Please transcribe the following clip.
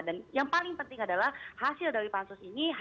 dan yang paling penting adalah hasil dari pansus ini harus bisa menjadi bahwa